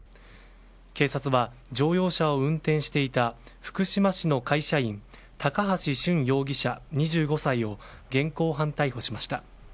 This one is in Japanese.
警察は乗用車を運転していた福島市の会社員高橋俊容疑者、２５歳を現行犯逮捕しました。